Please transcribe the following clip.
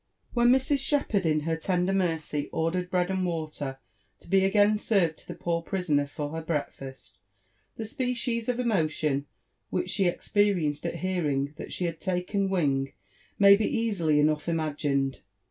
Whbv Mrs. Shepherd in her tender mercj ordered bread and water lo be again served to the poor prisoner for her breakfast, the species of emotion which she experienced at hearing that she had taken wing my to easily enoiifih ima^ned.